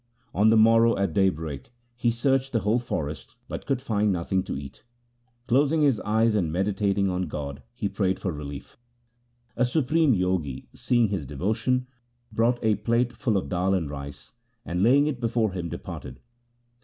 On the morrow at daybreak he searched the whole 94 THE SIKH RELIGION forest, but could find nothing to eat. Closing his eyes and meditating on God he prayed for relief. A supreme Jogi, seeing his devotion, brought a plate full of dal and rice, and laying it before him de parted.